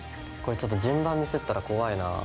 これちょっと順番ミスったら怖いな。